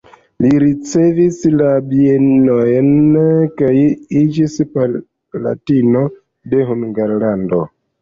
Li rericevis la bienojn kaj iĝis palatino de Hungarlando.